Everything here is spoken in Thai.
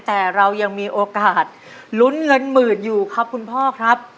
แต่เรายังมีโอกาสลุ้นเงินหมื่นอยู่ครับคุณพ่อครับ